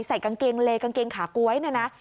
ใส่กางเกงเลกางเกงขาก๊วยเนี่ยนะ